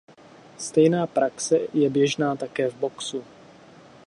Stejná praxe je běžná také v boxu.